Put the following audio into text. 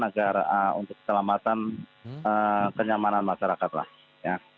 agar untuk keselamatan kenyamanan masyarakat lah ya